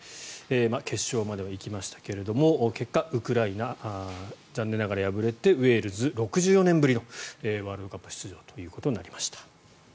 決勝までは行きましたけれども結果、ウクライナ残念ながら敗れてウェールズが６４年ぶりのワールドカップ出場となりました。